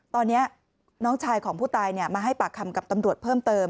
ตอนนี้น้องชายของผู้ตายมาให้ปากคำกับตำรวจเพิ่มเติม